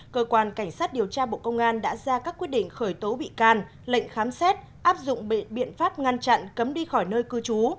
cơ quan cảnh sát điều tra bộ công an đã ra các quyết định khởi tố bị can lệnh khám xét áp dụng biện pháp ngăn chặn cấm đi khỏi nơi cư trú